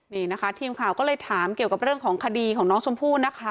นี่นะคะทีมข่าวก็เลยถามเกี่ยวกับเรื่องของคดีของน้องชมพู่นะคะ